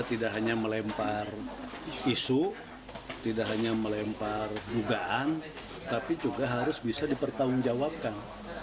tidak hanya melempar isu tidak hanya melempar dugaan tapi juga harus bisa dipertanggungjawabkan